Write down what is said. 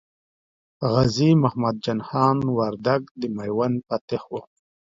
غازي محمد جان خان وردګ د میوند فاتح و.